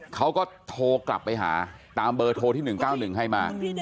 เขาก็โทรกลับไปหาตามเบอร์โทรที่๑๙๑ให้มา